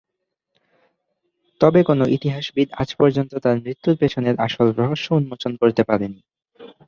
তবে কোনো ইতিহাসবিদ আজ পর্যন্ত তার মৃত্যুর পিছনের আসল রহস্য উন্মোচন করতে পারেনি।